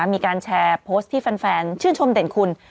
มีการแชร์โพสต์ที่แฟนชื่นชมเด่นคุณ